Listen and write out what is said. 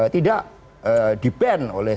tidak di ban oleh